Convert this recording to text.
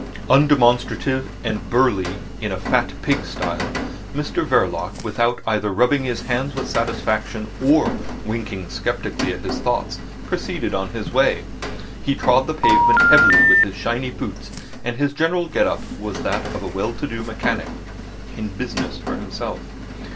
Undemonstrative and burly in a fat pig style, Mr Verloc, without either rubbing his hands with satisfaction or winking sceptically at his thoughts, proceeded on his way. He trod the pavement heavily with his shiny boots, and his general get up was that of a well to do mechanic in business for himself.